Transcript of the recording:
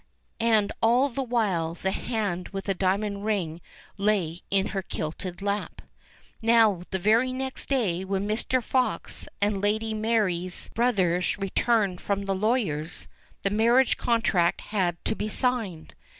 And all the while the hand with the diamond ring lay in her kilted lap. Now the very next day, when Mr. Fox and Lady Mary's 236 ENGLISH FAIRY TALES brothers returned from the lawyers, the marriage contract had to be signed.